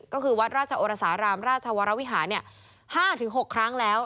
ก็คือวัดราชโอรสารามราชวรวิหาร๕๖ครั้งแล้ว